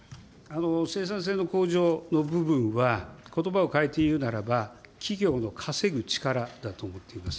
生産性の向上の部分は、ことばを変えて言うならば、企業の稼ぐ力だと思っています。